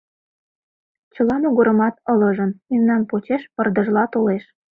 Чыла могырымат ылыжын, мемнан почеш пырдыжла толеш.